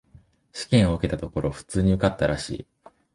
試験を受けたところ、普通に受かったらしい。